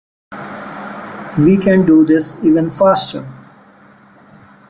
We can do this even faster.